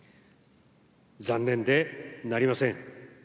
残念でなりません。